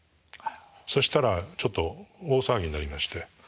そしたらちょっと大騒ぎになりまして。